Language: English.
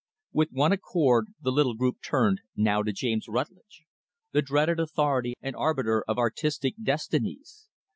With one accord, the little group turned, now, to James Rutlidge the dreaded authority and arbiter of artistic destinies.